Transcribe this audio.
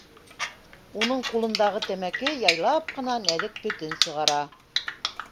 Уның ҡулындағы тәмәке яйлап ҡына нәҙек төтөн сығара.